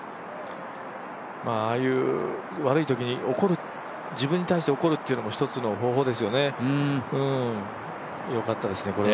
ああいう悪いときに自分に対して怒るっていうのも一つの方法ですよね。